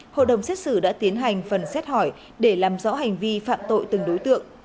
hội đồng xét xử đã tiến hành phần xét hỏi để làm rõ hành vi phạm tội từng đối tượng